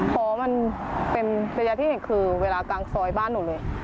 เพราะมันเป็นระยะที่เห็นคือเวลากลางซอยบ้านหนูเลย